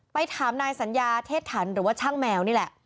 ถามนายสัญญาเทศถันหรือว่าช่างแมวนี่แหละ